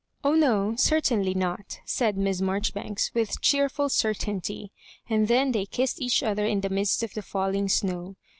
"Oh no, certainly not," said Miss Marjoribanks, with cheerful certainty; and then they kissed each other in the midst of the falling snow.